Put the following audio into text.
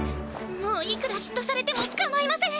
もういくら嫉妬されてもかまいません！